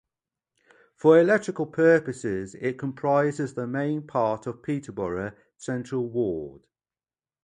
For electoral purposes it comprises the main part of Peterborough Central ward.